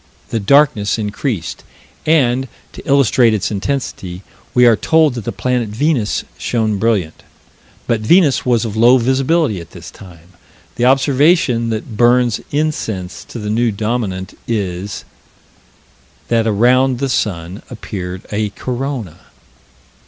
The darkness increased, and, to illustrate its intensity, we are told that the planet Venus shone brilliant. But Venus was of low visibility at this time. The observation that burns incense to the New Dominant is: That around the sun appeared a corona.